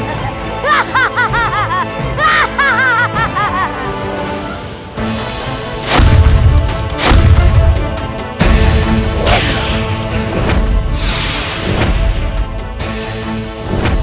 saya akan membunuhmu